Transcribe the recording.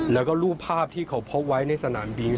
แล้วก็รูปภาพที่เขาพกไว้ในสนามบิน